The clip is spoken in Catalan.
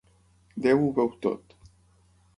Déu ho veu tot.